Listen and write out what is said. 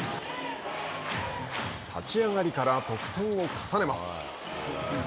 立ち上がりから得点を重ねます。